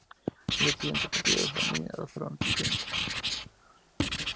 Al día siguiente, partidarios de Amín arrestaron al Presidente.